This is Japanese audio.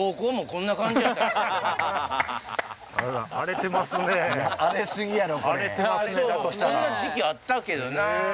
こんな時期あったけどな。